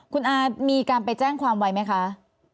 คุณอามีการไปแจ้งความไว้ไหมคะ